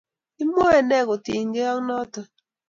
imwoe nee kotinykei ak noto?